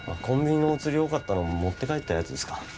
コンビニのお釣り多かったの持って帰ったやつですか？